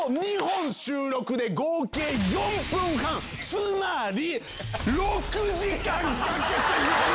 つまり！